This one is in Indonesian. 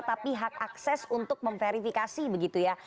tapi hak akses untuk memverifikasi begitu ya